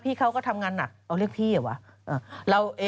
เขาก็ทำงานหนักเอาเรียกพี่เหรอวะ